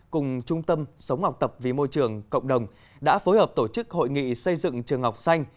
cùng trung tâm sống học tập vì môi trường cộng đồng đã phối hợp tổ chức hội nghị xây dựng trường học xanh